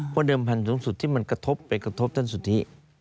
เพราะเดิมพันธุ์สูงสุดที่มันกระทบไปกระทบท่านสุธิ